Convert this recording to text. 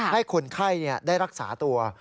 ให้คนไข้ได้รักษาตัว